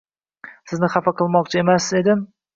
Sizni xafa qilmoqchi emas edim.